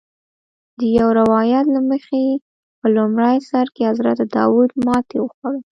د یو روایت له مخې په لومړي سر کې حضرت داود ماتې وخوړه.